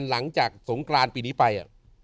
หลังจากสงกรานปีนี้ไป